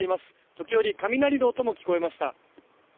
時折、雷の音も聞こえました。